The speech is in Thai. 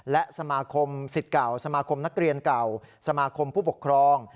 และสมาคมสิทธิ์เก่าสมาคมนักเรียนเก่าสมาคมผู้ปกครอง